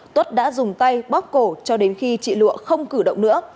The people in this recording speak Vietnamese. tuất đã dùng tay bóc cổ cho đến khi chị lụa không cử động nữa